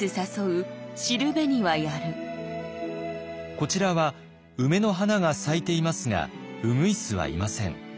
こちらは梅の花が咲いていますが鶯はいません。